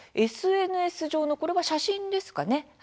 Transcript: ＳＮＳ上のこれは写真ですかね？